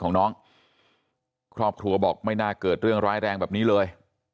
ของน้องครอบครัวบอกไม่น่าเกิดเรื่องร้ายแรงแบบนี้เลย